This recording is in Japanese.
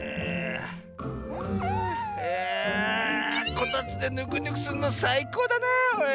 こたつでぬくぬくするのさいこうだなおい。